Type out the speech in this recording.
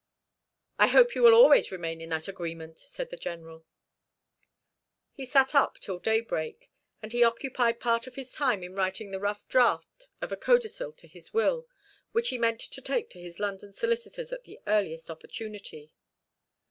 "I hope you will always remain in that agreement," said the General. He sat up till daybreak, and he occupied part of his time in writing the rough draft of a codicil to his will, which he meant to take to his London solicitors at the earliest opportunity.